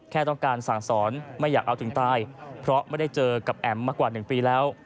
แค่ต้องการสั่งสอนไม่อยากเอาถึงตายเพราะไม่ได้เจอกับแอ๋มมากว่า๑ปีแล้ว